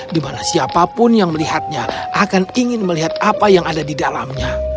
dimana siapapun yang melihatnya akan ingin melihat apa yang ada di dalamnya